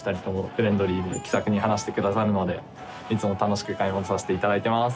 フレンドリーで気さくに話してくださるのでいつも楽しく買い物させていただいてます。